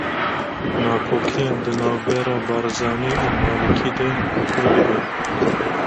Nakokiya di navbera Barzanî û Malikî de kûr dibe